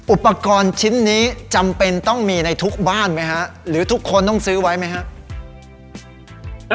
อุปกรณ์ชิ้นนี้จำเป็นต้องมีในทุกบ้านไหมฮะหรือทุกคนต้องซื้อไว้ไหมครับ